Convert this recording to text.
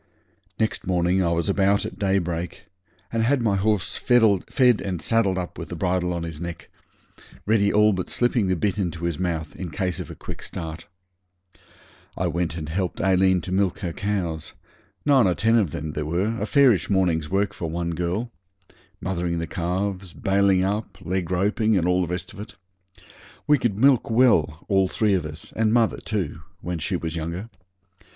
Next morning I was about at daybreak and had my horse fed and saddled up with the bridle on his neck, ready all but slipping the bit into his mouth, in case of a quick start. I went and helped Aileen to milk her cows, nine or ten of them there were, a fairish morning's work for one girl; mothering the calves, bailing up, leg roping, and all the rest of it. We could milk well, all three of us, and mother too, when she was younger.